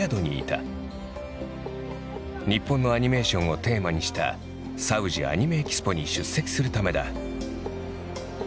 日本のアニメーションをテーマにしたサウジアニメエキスポに出席するためだ。